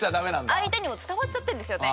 相手にも伝わっちゃってるんですよね。